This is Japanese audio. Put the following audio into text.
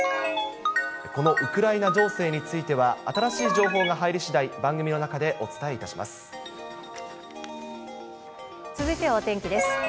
このウクライナ情勢については、新しい情報が入りしだい、番組の続いてはお天気です。